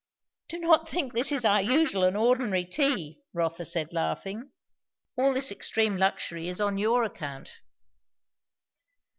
"Do not think this is our usual and ordinary tea!" Rotha said laughing. "All this extreme luxury is on your account."